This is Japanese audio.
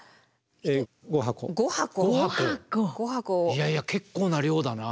いやいや結構な量だな。